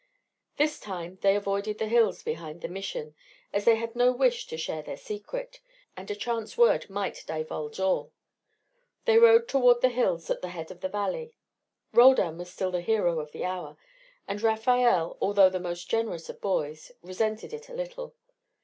This time they avoided the hills behind the Mission, as they had no wish to share their secret, and a chance word might divulge all. They rode toward the hills at the head of the valley. Roldan was still the hero of the hour, and Rafael, although the most generous of boys, resented it a little.